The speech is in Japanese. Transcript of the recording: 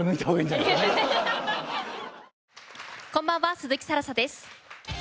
こんばんは鈴木新彩です。